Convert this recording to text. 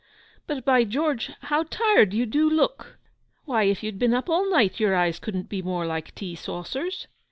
But, by George, how tired you dew look! Why, if you'd been up all night your eyes couldn't be more like tea saucers.